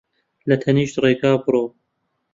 لە تەنیشت ڕێگا بڕۆ